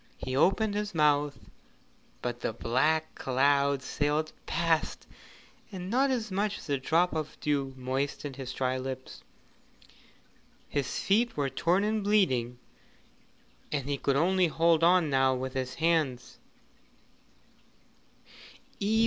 He opened his mouth, but the black cloud sailed past and not as much as a drop of dew moistened his dry lips. His feet were torn and bleeding, and he could only hold on now with his hands.